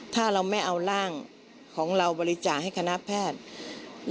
ถ้าเราไม่เอาร่างของเราบริจาคให้คณะแพทย์